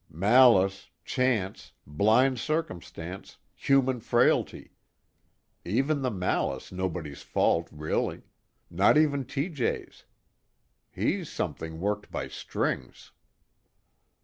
"Malice, chance, blind circumstance, human frailty. Even the malice nobody's fault really not even T.J.'s. He's something worked by strings."